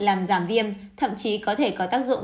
làm giảm viêm thậm chí có thể có tác dụng